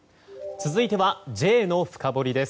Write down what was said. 続いてはＪのフカボリです。